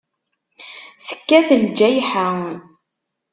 Tekkat lǧayḥa.